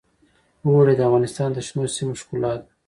اوړي د افغانستان د شنو سیمو ښکلا ده.